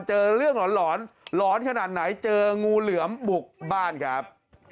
เจอเรื่องหลอนหลอนขนาดไหนเจองูเหลือมบุกบ้านครับ